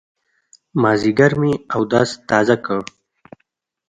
مازيګر مې اودس تازه کړ.